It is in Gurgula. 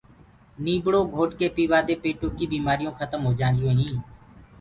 نيٚڀڙو گھوٽ ڪي پيوآ دي پيٽو ڪيٚ بيمآريونٚ کتم هوجآنٚديونٚ هينٚ